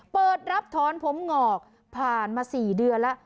เปิดรับถอนผมงอกผ่านมา๔เดือนแล้ว